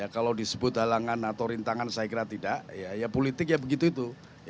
kalau disebut halangan atau rintangan saya kira tidak ya politik ya begitu itu